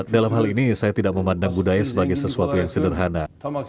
dalam hal ini saya tidak memandang budaya sebagai sesuatu yang sederhana